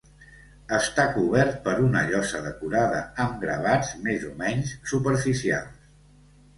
Està cobert per una llosa decorada amb gravats més o menys superficials.